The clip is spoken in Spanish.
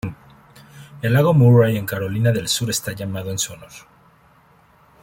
El Lago Murray en Carolina del Sur está llamado en su honor.